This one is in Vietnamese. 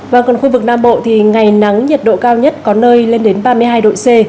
và còn khu vực nam bộ thì ngày nắng nhiệt độ cao nhất có nơi lên đến ba mươi hai độ c